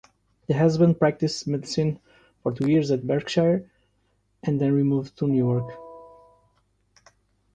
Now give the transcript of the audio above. The husband practiced medicine for two years at Berkshire and then removed to Newark.